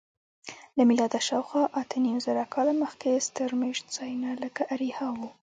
له میلاده شاوخوا اتهنیمزره کاله مخکې ستر میشت ځایونه لکه اریحا وو.